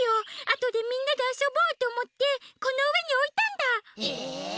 あとでみんなであそぼうとおもってこのうえにおいたんだ！え！？